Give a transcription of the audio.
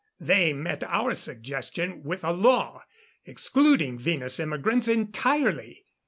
They met our suggestion with a law excluding Venus immigrants entirely.